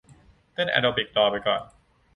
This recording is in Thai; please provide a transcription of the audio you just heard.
เต้นแอโรบิครอไปก่อน